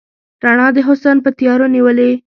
رڼا د حسن یې تیارو نیولې